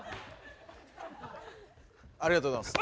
ありがとうございます。